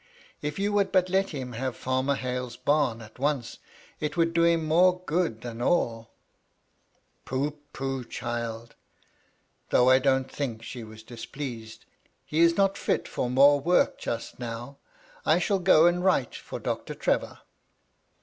" ff you would but let him have Farmer Hale's bam at once, it would do him more good than alL" " Pooh, pooh, child !" though I don't think she was displeased, *^ he is not fit for more work just now. I shall go and write for Doctor Trevor."